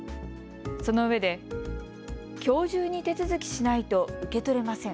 そのうえで、きょう中に手続きしないと受け取れません。